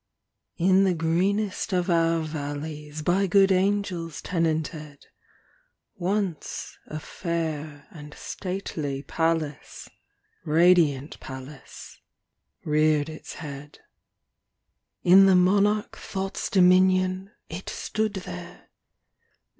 In the greenest of our valleys By good angels tenanted, Once a fair and stately palace Radiant palace reared its head. In the monarch Thought's dominion It stood there!